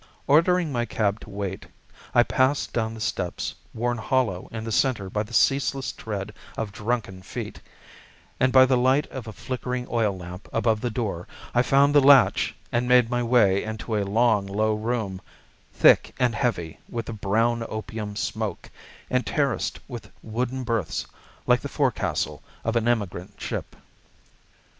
Ordering my cab to wait, I passed down the steps, worn hollow in the centre by the ceaseless tread of drunken feet; and by the light of a flickering oil lamp above the door I found the latch and made my way into a long, low room, thick and heavy with the brown opium smoke, and terraced with wooden berths, like the forecastle of an emigrant ship.